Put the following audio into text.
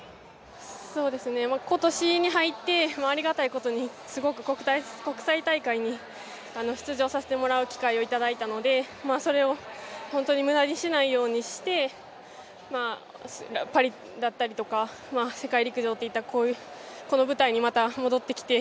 今年に入ってありがたいことにすごく国際大会に出場させてもらう機会をいただいたのでそれを無駄にしないようにして、パリだったりとか、世界陸上といった、この舞台にまた戻ってきて、